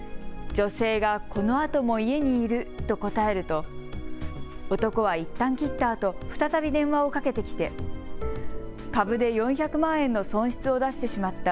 女性がこのあとも家にいると答えると男はいったん切ったあと再び電話をかけてきて株で４００万円の損失を出してしまった。